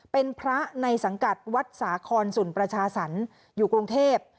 เป็นพระในสังกัดวัดสาคอนสุนประชาสรรค์อยู่กรุงเทพ